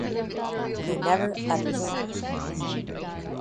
He never utters a line.